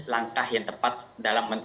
langkah yang tepat dalam